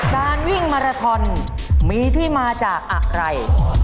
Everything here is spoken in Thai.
การวิ่งมาราทอนมีที่มาจากอะไร